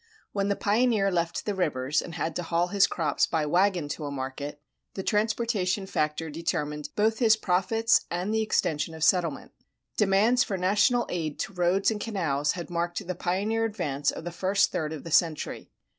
When the pioneer left the rivers and had to haul his crops by wagon to a market, the transportation factor determined both his profits and the extension of settlement. Demands for national aid to roads and canals had marked the pioneer advance of the first third of the century.